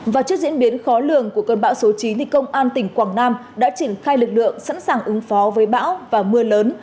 và trước diễn biến khó lường của cơn bão số chín công an tỉnh quảng nam đã triển khai lực lượng sẵn sàng ứng phó với bão và mưa lớn